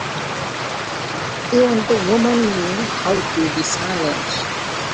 Even the women knew how to be silent.